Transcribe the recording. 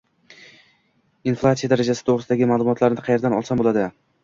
inflyatsiya darajasi to‘g‘risidagi ma’lumotni qayerdan olsam bo‘ladi?